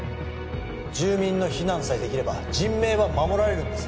住民の避難さえできれば人命は守られるんです